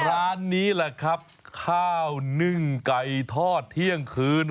ร้านนี้แหละครับข้าวนึ่งไก่ทอดเที่ยงคืน